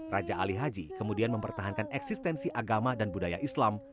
raja ali haji kemudian mempertahankan eksistensi agama dan budaya islam